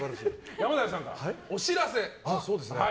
山寺さんからお知らせ。